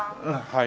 はい。